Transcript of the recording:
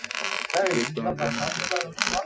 বিক্রমের জন্য এটাই সেই সুযোগ ছিল।